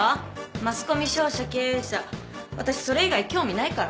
マスコミ商社経営者私それ以外興味ないから。